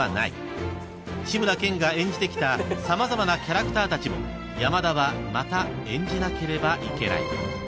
［志村けんが演じてきた様々なキャラクターたちも山田はまた演じなければいけない］